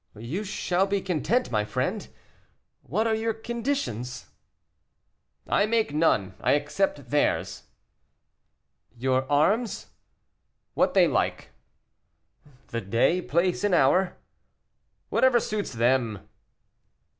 "You shall be content, my friend. What are your conditions?" "I make none; I accept theirs." "Your arms?" "What they like." "The day, place, and hour?" "Whatever suits them."